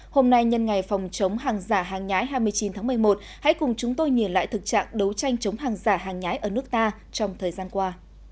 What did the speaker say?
hôm nay nhân ngày phòng chống hàng giả hàng nhái hai mươi chín tháng một mươi một hãy cùng chúng tôi nhìn lại thực trạng đấu tranh chống hàng giả hàng nhái ở nước ta trong thời gian qua